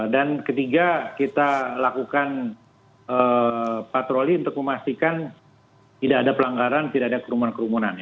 dan ketiga kita lakukan patroli untuk memastikan tidak ada pelanggaran tidak ada kerumunan kerumunan